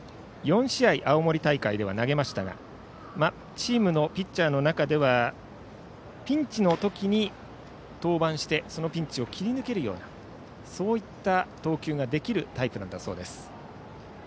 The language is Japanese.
４試合、青森大会では投げましたがチームのピッチャーの中ではピンチの時、登板してそのピンチを切り抜けるようなそういった投球ができるタイプなんだそうです。